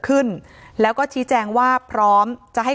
อืม